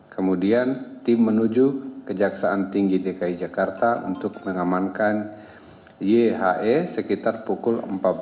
kemudian tim menuju kejaksaan tinggi dki jakarta untuk mengamankan yhe sekitar pukul empat belas